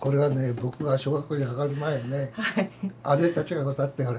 僕が小学校に上がる前ね姉たちが歌ってあれ。